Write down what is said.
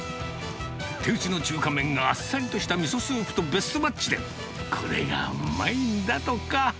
手打ちの中華麺があっさりとしたみそソープとベストマッチで、これがうまいんだとか。